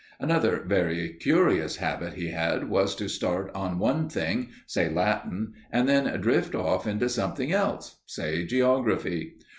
Another very curious habit he had was to start on one thing say Latin and then drift off into something else say geography.